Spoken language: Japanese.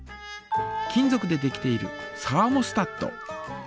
金ぞくでできているサーモスタット。